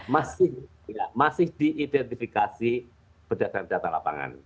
masih masih diidentifikasi berdasarkan data lapangan